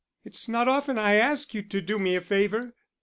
It's not often I ask you to do me a favour."